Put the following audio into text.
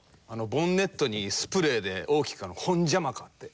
ボンネットにスプレーで大きくホンジャマカって。